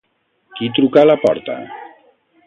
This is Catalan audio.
Qui truca a la porta?